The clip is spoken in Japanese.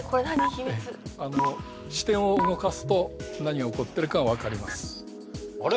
秘密あの視点を動かすと何が起こってるか分かりますあれ？